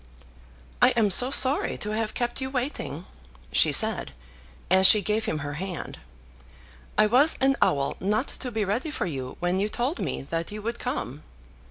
"I am so sorry to have kept you waiting," she said, as she gave him her hand. "I was an owl not to be ready for you when you told me that you would come."